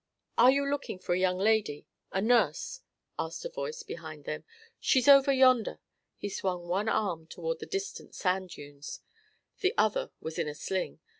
"Are you looking for a young lady a nurse?" asked a voice beside them. "She's over yonder," he swung one arm toward the distant sand dunes. The other was in a sling.